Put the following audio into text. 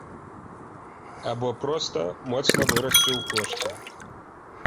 Або проста моцна вырасце ў кошце.